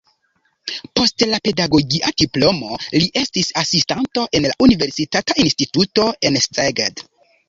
Post la pedagogia diplomo li estis asistanto en la universitata instituto en Szeged.